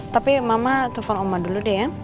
tapi mama telepon oma dulu deh ya